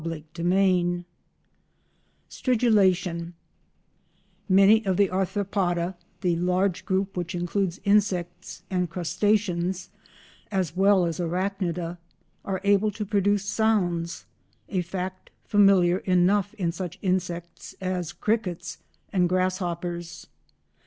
CHAPTER XII STRIDULATION Many of the Arthropoda—the large group which includes insects and crustaceans as well as Arachnida—are able to produce sounds, a fact familiar enough in such insects as crickets and grass hoppers.